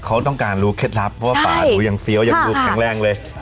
เค้าต้องการรู้แคร็กรับเพราะป๊าเห็นเข้าใจยังดูแข็งแรงเลย